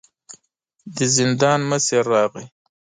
د زندان مشر راغی.